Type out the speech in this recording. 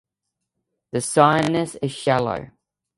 The sinus is shallow.